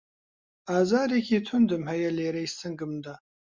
ئازارێکی توندم هەیە لێرەی سنگمدا